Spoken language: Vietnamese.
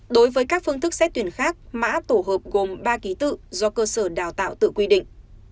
đối với các phương thức xét tuyển khác mã tổ hợp gồm ba ký tự do cơ sở đào tạo tự quy định